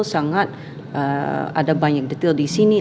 sangat ada banyak detail di sini